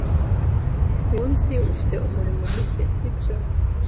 Uyu munsi ufite umuriro muke, sibyo?